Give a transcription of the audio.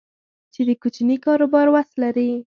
چې د کوچني کاروبار وس لري